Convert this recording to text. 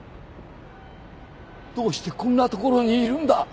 どうしてこんなところにいるんだ！？